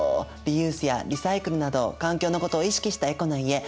リユースやリサイクルなど環境のことを意識したエコな家